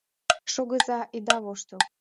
Шогыза, ида воштыл.